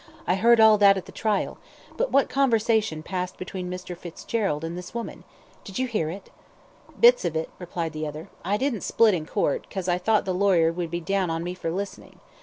"I heard all that at the trial, but what conversation passed between Mr. Fitzgerald and this woman? Did you hear it?" "Bits of it," replied the other. "I didn't split in Court, 'cause I thought the lawyer would be down on me for listening.